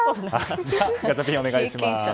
ガチャピン、お願いします。